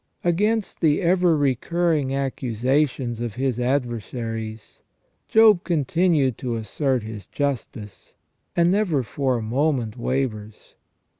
Against the ever recurring accusations of his adversaries, Job continued to assert his justice, and never for a moment wavers.